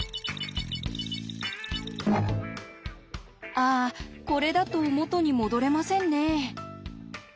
あこれだと元に戻れませんね。